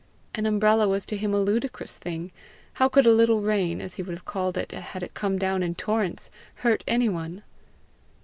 An umbrella was to him a ludicrous thing: how could a little rain as he would have called it had it come down in torrents hurt any one!